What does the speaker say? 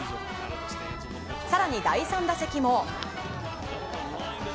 更に第３打席も。